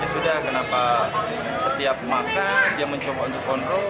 ya sudah kenapa setiap makan dia mencoba untuk kontrol